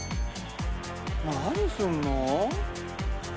「何すんの？」